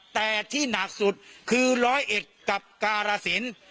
แต่ที่หนักสุดคือร้อยเอ็ดกับการสิน